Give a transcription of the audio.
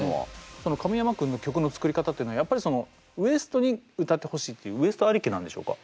神山君の曲の作り方っていうのはやっぱりそのＷＥＳＴに歌ってほしいっていうＷＥＳＴありきなんでしょうか？